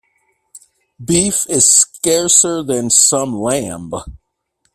Beef is scarcer than some lamb.